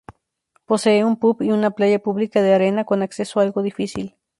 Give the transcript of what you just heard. Posee un pub y una playa pública de arena con acceso algo difícil.